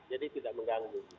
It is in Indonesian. jadi tidak mengganggu